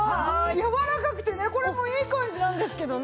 やわらかくてねこれもいい感じなんですけどね。